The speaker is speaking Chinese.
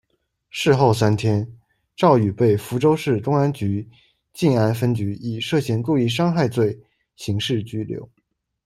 事后三天，赵宇被福州市公安局晋安分局以涉嫌故意伤害罪刑事拘留。